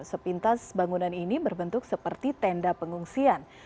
sepintas bangunan ini berbentuk seperti tenda pengungsian